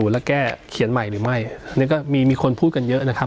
แล้วแก้เขียนใหม่หรือไม่นี่ก็มีมีคนพูดกันเยอะนะครับ